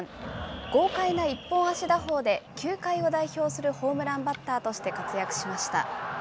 豪快な一本足打法で球界を代表するホームランバッターとして活躍しました。